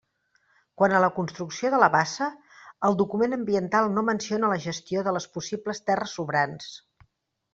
Quant a la construcció de la bassa, el document ambiental no menciona la gestió de les possibles terres sobrants.